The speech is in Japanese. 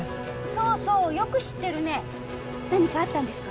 そうそうよく知ってるね何かあったんですか？